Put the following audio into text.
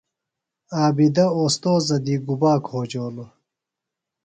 عابدہ استوذہ دی گُبا کھوجولوۡ؟